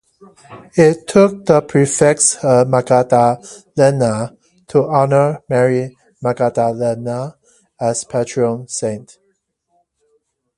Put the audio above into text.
It took the prefix of Magdalena to honor Mary Magdalene, as patron saint.